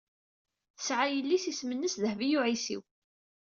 Tesɛa yelli-s isem-nnes Dehbiya u Ɛisiw.